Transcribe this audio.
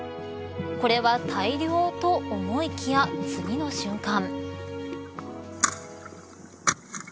これは大漁と思いきや次の瞬間。